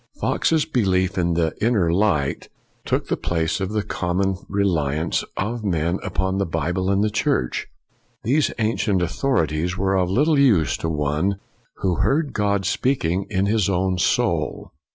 Fox's belief in the Inner Light took the place of the common reliance of men upon the Bible and the Church. These ancient authorities were of little use to one who heard God speaking in his own soul.